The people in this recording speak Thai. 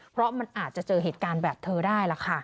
เพราะมันอาจจะเจอเหตุการณ์แบบเธอได้ล่ะค่ะ